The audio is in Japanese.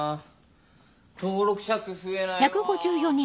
登録者数増えないわ。